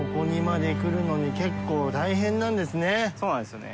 そうなんですよね。